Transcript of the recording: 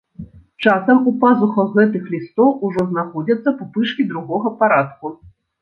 Часам у пазухах гэтых лістоў ужо знаходзяцца пупышкі другога парадку.